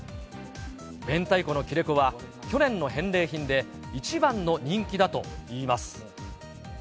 めんたいこの切れ子は、去年の返礼品で一番の人気だといいます。